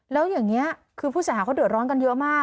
แล้วอย่างนี้คือผู้เสียหายเขาเดือดร้อนกันเยอะมาก